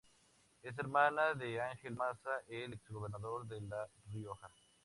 Es hermana de Ángel Maza, el exgobernador de La Rioja.